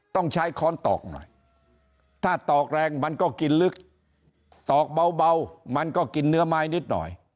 ต้องใช้ค้อนตอกหน่อยถ้าตอกแรงมันก็กินลึกตอกเบามันก็กินเนื้อไม้นิดหน่อย